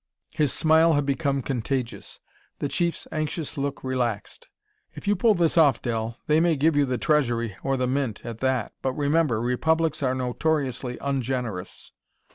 His smile had become contagious; the Chief's anxious look relaxed. "If you pull this off, Del, they may give you the Treasury or the Mint at that. But remember, republics are notoriously ungenerous."